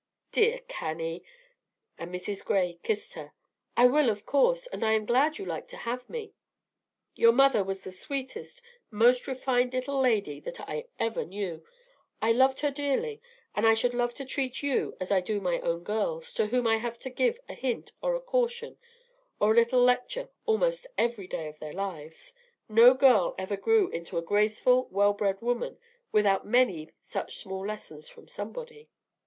"Dear Cannie," and Mrs. Gray kissed her, "I will, of course; and I am glad you like to have me. Your mother was the sweetest, most refined little lady that I ever knew. I loved her dearly; and I should love to treat you as I do my own girls, to whom I have to give a hint or a caution or a little lecture almost every day of their lives. No girl ever grew into a graceful, well bred woman without many such small lessons from somebody.